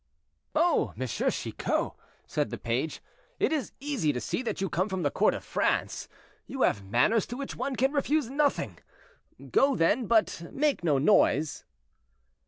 "Oh, M. Chicot!" said the page, "it is easy to see that you come from the court of France; you have manners to which one can refuse nothing: go then, but make no noise."